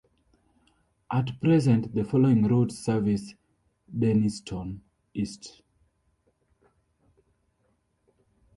At present the following routes service Denistone East.